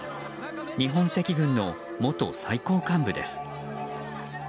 日本赤軍の元最高幹部です。